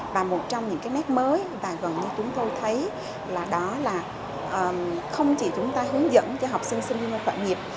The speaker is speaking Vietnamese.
và một trong những cái nét mới và gần như chúng tôi thấy là đó là không chỉ chúng ta hướng dẫn cho học sinh sinh viên khởi nghiệp